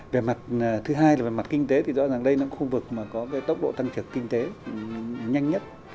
về mặt thứ hai là về mặt kinh tế thì rõ ràng đây là khu vực mà có tốc độ tăng trưởng kinh tế nhanh nhất